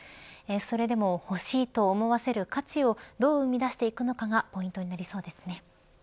それでも欲しいと思わせる価値をどう生み出していくのかがポイントになりそうですね。